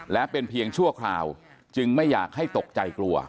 และเป็นเพียงชั่วคราวจึงไม่อยากให้ตกใจกลัว